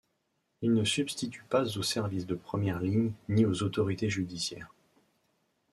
Il ne se substitue pas aux services de première ligne ni aux autorités judiciaires.